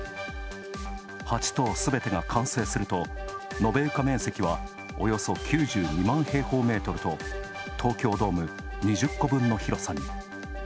８棟すべてが完成すると延べ床面積はおよそ９２万平方メートルと東京ドーム２０個分の広さに。